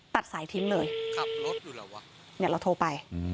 ตัดสายทิ้งเลยเราโทรไปคือขับรถอยู่หรอวะ